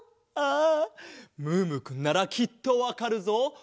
ああムームーくんならきっとわかるぞ。